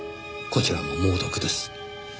こちらも猛毒です。